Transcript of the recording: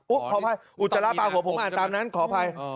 อุตจัลละปลาหัวผมอ่านตามนั้นขออภัย